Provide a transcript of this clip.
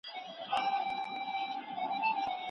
که د ښځو غږ واوریدل شي نو حق نه ضایع کیږي.